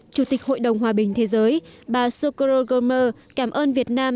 chủ tịch hội đồng hòa bình thế giới bà socorro gomer cảm ơn việt nam